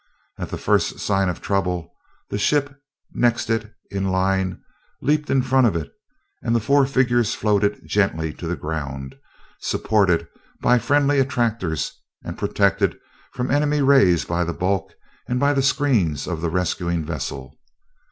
At the first sign of trouble, the ship next it in line leaped in front of it and the four figures floated gently to the ground, supported by friendly attractors and protected from enemy rays by the bulk and by the screens of the rescuing vessel.